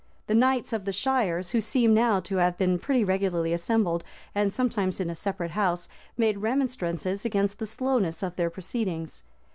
The knights of the shires, who seem now to have been pretty regularly assembled, and sometimes in a separate house, made remonstrances against the slowness of their proceedings.